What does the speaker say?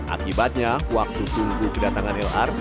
akibatnya waktu tunggu kedatangan lrt